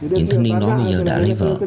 những thanh niên đó bây giờ đã lấy vợ